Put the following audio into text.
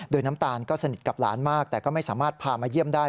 โดยน้ำตาลก็สนิทกับหลานมากแต่ก็ไม่สามารถพามาเยี่ยมได้